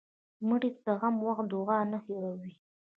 مړه ته د غم وخت دعا نه هېروې